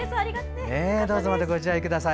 どうぞご自愛ください。